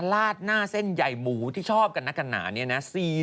ลาดหน้าเส้นใหญ่หมูที่ชอบกันนักกันหนาเนี่ยนะ